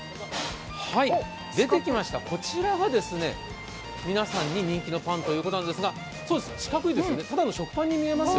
出てきました、こちらが皆さんに人気のパンということなんですが、四角いですよね、ただの食パンのように見えます。